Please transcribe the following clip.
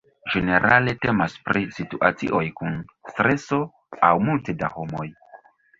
Ĝenerale temas pri situacioj kun streso aŭ multe da homoj.